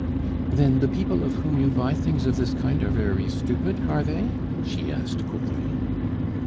"Then the people of whom you buy things of this kind are very stupid, are they?" she asked quickly.